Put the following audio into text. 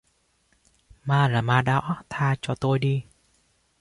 ma là ma đó tha cho tôi đi